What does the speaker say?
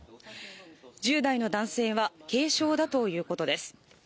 １０代の男性は軽傷だということです。